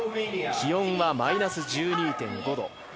気温はマイナス１２．５度。